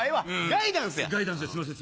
ガイダンスですいません。